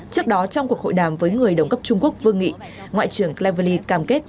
trước đó trong cuộc hội đàm với người đồng cấp trung quốc vương nghị ngoại trưởng cleverley cam kết